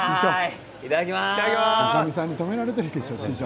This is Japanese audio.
おかみさんに止められているでしょう、師匠。